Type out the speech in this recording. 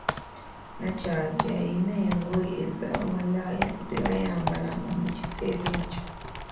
Nakyala yalina engoye eza bamalaaya zebayambalanga mu kiseera ekyo.